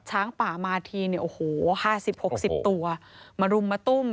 ช้างป่ามาทีโอ้โห๕๐๖๐ตัวมารุมมาตุ้ม